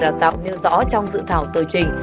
giáo dục và đào tạo nêu rõ trong dự thảo tờ trình